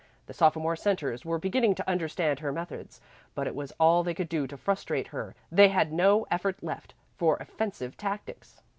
The sophomore centres were beginning to understand her methods, but it was all they could do to frustrate her; they had no effort left for offensive tactics.